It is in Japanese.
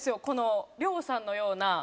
このりょうさんのような。